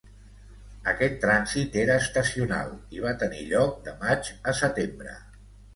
Aquest trànsit era estacional i va tenir lloc de maig a setembre.